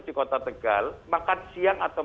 di kota tegal makan siang atau